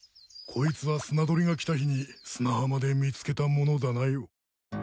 こいつはスナドリが来た日に砂浜で見つけたものだなよ。